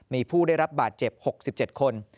มีผู้ได้รับบาดเจ็บ๖๗คน